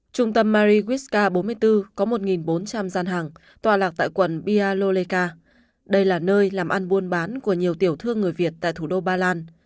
trung tâm marijuyska bốn mươi bốn có một bốn trăm linh gian hàng tòa lạc tại quận bialoleka đây là nơi làm ăn buôn bán của nhiều tiểu thương người việt tại thủ đô ba lan